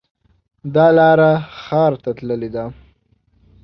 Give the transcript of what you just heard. دا لاره ښار ته تللې ده